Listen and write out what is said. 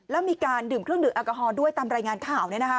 แล้วมีการดื่มเครื่องดื่มแอลกอฮอลด้วยตามรายงานข่าว